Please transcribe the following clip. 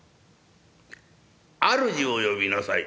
主を呼びなさい」。